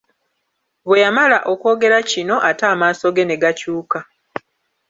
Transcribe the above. Bwe yamala okwogera kino ate amaaso ge ne gakyuka.